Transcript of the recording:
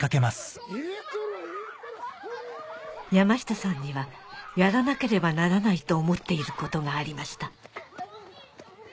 山下さんにはやらなければならないと思っていることがありました